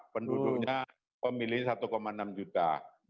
penduduknya pemilih satu enam juta